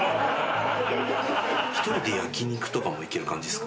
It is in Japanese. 一人で焼き肉とかも行ける感じっすか？